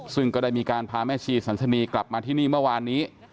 ซึ่งก็ได้มีการพาแม่ชีสันสนีกลับมาที่นี่เมื่อวานนี้